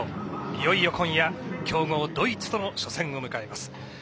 いよいよ今夜強豪、ドイツとの初戦を迎えます。